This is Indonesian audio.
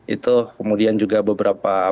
itu kemudian juga beberapa